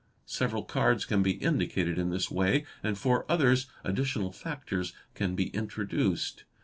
Several cards can be indicated in this way, and for others additional factors can be introduced.